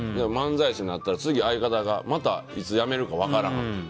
漫才師になったら次、相方がまた、いつ辞めるか分からん。